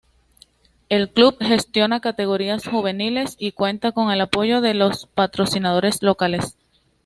El club gestiona categorías juveniles, y cuenta con el apoyo de patrocinadores locales.